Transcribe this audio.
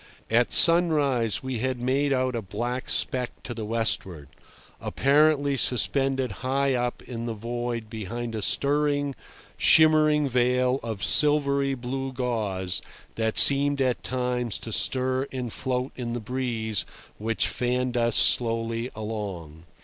At sunrise we had made out a black speck to the westward, apparently suspended high up in the void behind a stirring, shimmering veil of silvery blue gauze that seemed at times to stir and float in the breeze which fanned us slowly along.